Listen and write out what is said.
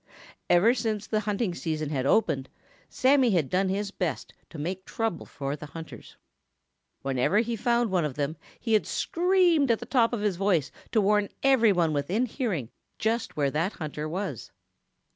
Ever since the hunting season had opened, Sammy had done his best to make trouble for the hunters. Whenever he had found one of them he had screamed at the top of his voice to warn every one within hearing just where that hunter was.